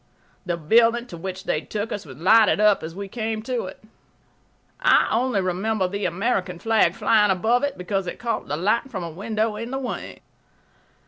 The building to which they took us was lighted up as we came to it. I only remember the American flag flying above it because it caught the light from a window in the wing.